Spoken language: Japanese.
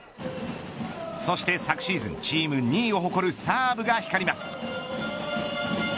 そして昨シーズンチーム２位を誇るサーブが光ります。